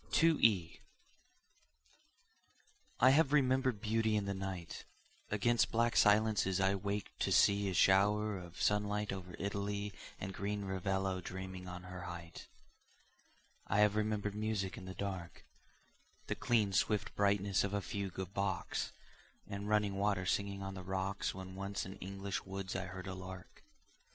To E. I have remembered beauty in the night, Against black silences I waked to see A shower of sunlight over Italy And green Ravello dreaming on her height; I have remembered music in the dark, The clean swift brightness of a fugue of Bach's, And running water singing on the rocks When once in English woods I heard a lark.